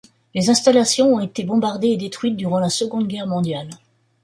Les installations ont été bombardées et détruites durant la seconde guerre mondiale.